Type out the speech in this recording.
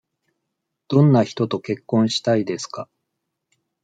どんな人と結婚したいですか。